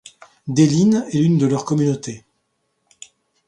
Délįne est l'une de leurs communautés.